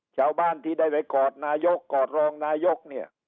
ชาวบ้านที่ได้ไปกอดนายกกอดรองนายกเนี่ย